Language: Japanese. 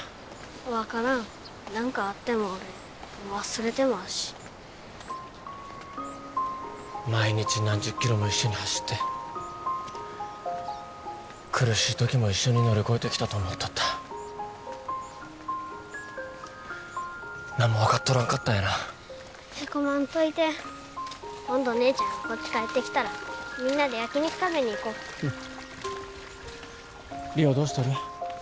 分からん何かあっても俺忘れてまうし毎日何十キロも一緒に走って苦しい時も一緒に乗り越えてきたと思っとった何も分かっとらんかったんやなヘコまんといて今度姉ちゃんがこっち帰ってきたらみんなで焼き肉食べに行こううん梨央どうしとる？